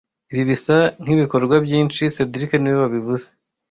Ibi bisa nkibikorwa byinshi cedric niwe wabivuze